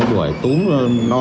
bởi túm rồi nó